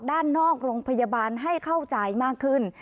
ด้านนอกโรงพยาบาลให้เข้าใจมากขึ้น